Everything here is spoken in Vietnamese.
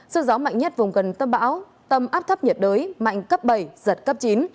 sức gió mạnh nhất vùng gần tâm bão tâm áp thấp nhiệt đới mạnh cấp bảy giật cấp chín